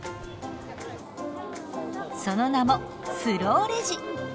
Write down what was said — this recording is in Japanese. その名も「スローレジ」。